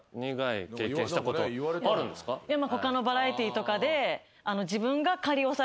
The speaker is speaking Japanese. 他のバラエティーとかで自分が。